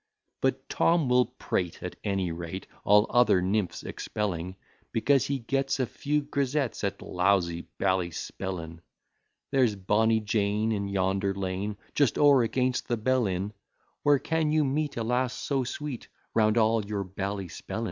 But Tom will prate at any rate, All other nymphs expelling: Because he gets a few grisettes At lousy Ballyspellin. There's bonny Jane, in yonder lane, Just o'er against the Bell inn; Where can you meet a lass so sweet, Round all your Ballyspellin?